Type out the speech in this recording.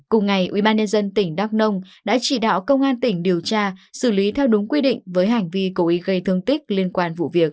cùng ngày ubnd tỉnh đắk nông đã chỉ đạo công an tỉnh điều tra xử lý theo đúng quy định với hành vi cố ý gây thương tích liên quan vụ việc